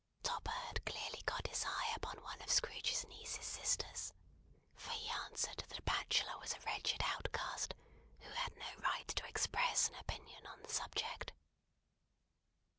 Topper had clearly got his eye upon one of Scrooge's niece's sisters, for he answered that a bachelor was a wretched outcast, who had no right to express an opinion on the subject.